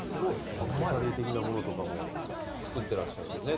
アクセサリー的なものとかも作ってらっしゃるんですね